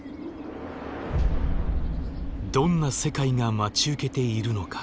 どんな世界が待ち受けているのか。